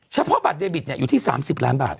เฉพาะบัตรเดบิตอยู่ที่๓๐ล้านบาท